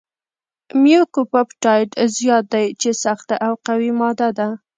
میوکوپپټایډ زیات دی چې سخته او قوي ماده ده.